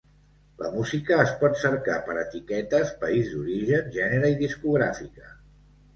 La música es pot cercar per etiquetes, país d'origen, gènere i discogràfica.